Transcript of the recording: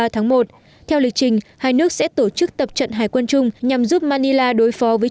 ba tháng một theo lịch trình hai nước sẽ tổ chức tập trận hải quân chung nhằm giúp manila đối phó với